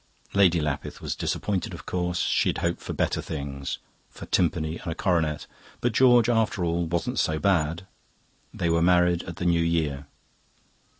"Lady Lapith was disappointed, of course; she had hoped for better things for Timpany and a coronet. But George, after all, wasn't so bad. They were married at the New Year.